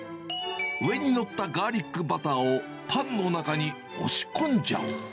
上に載ったガーリックバターを、パンの中に押し込んじゃう。